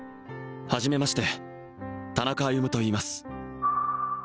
はじめまして田中歩といいます